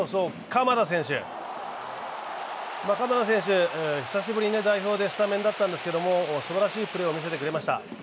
鎌田選手、久しぶりに代表でスタメンだったんですけど、すばらしいプレーを見せてくれました。